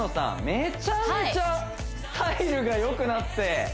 めちゃめちゃスタイルが良くなって！